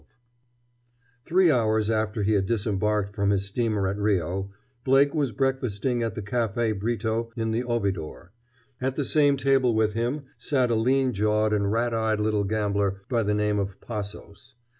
XII Three hours after he had disembarked from his steamer at Rio, Blake was breakfasting at the Café Britto in the Ovidor. At the same table with him sat a lean jawed and rat eyed little gambler by the name of Passos.